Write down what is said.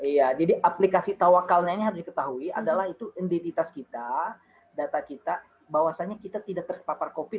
iya jadi aplikasi tawakalnya ini harus diketahui adalah itu identitas kita data kita bahwasannya kita tidak terpapar covid